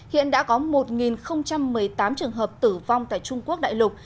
hiện đã có một một mươi tám trường hợp tử vong tại trung quốc đại lục